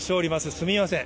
すみません。